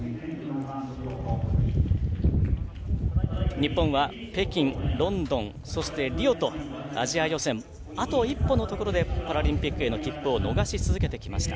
日本は北京、ロンドン、リオとアジア予選、あと一歩のところでパラリンピックへの切符を逃し続けてきました。